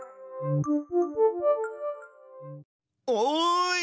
おい！